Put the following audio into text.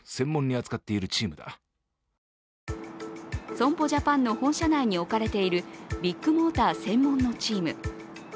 損保ジャパンの本社内に置かれているビッグモーター専門のチーム。